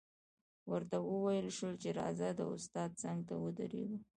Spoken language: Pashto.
ورته وویل شول چې راځه د استاد څنګ ته ودرېږه